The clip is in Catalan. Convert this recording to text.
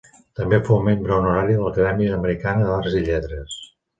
També fou Membre Honorària de l'Acadèmia Americana d'Arts i Lletres.